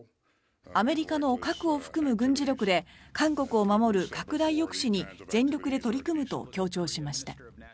アメリカの核を含む軍事力で韓国を守る拡大抑止に全力で取り組むと強調しました。